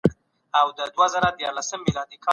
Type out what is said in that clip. افغان ښوونکي خپلي ستونزي د ډیپلوماسۍ له لاري نه حل کوي.